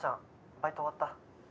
バイト終わった？